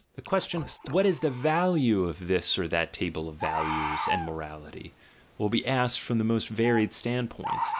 The question, "What is the value of this or that table of 'values' and morality?" will be asked from the most varied standpoints.